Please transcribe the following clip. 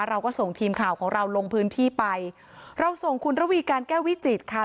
เราก็ส่งทีมข่าวของเราลงพื้นที่ไปเราส่งคุณระวีการแก้ววิจิตรค่ะ